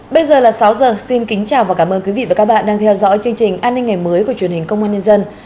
bây giờ là sáu giờ xin kính chào và cảm ơn quý vị và các bạn đang theo dõi chương trình an ninh ngày mới của truyền hình công an nhân dân